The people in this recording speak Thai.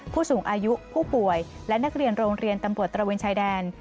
ผู้สูงอายุผู้ป่วยและนักเรียนโรงเรียนตำรวจตระเวนชายแดน